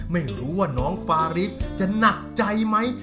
ไม่รู้ว่าน้องฟาริสจะหนักใจไหม